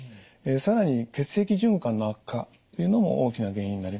更に血液循環の悪化というのも大きな原因になります。